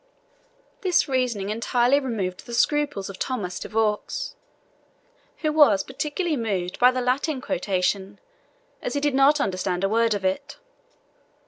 This reasoning entirely removed the scruples of Thomas de Vaux, who was particularly moved by the Latin quotation, as he did not understand a word of it.